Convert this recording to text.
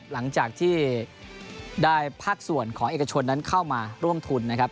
หลังจากที่ได้ภาคส่วนของเอกชนนั้นเข้ามาร่วมทุนนะครับ